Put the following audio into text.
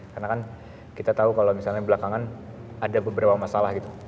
karena kan kita tahu kalau misalnya belakangan ada beberapa masalah gitu